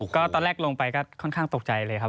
ก็ตอนแรกลงไปก็ค่อนข้างตกใจเลยครับ